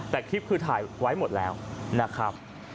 แต่คลิปคือถ่ายไว้หมดแล้วนะครับ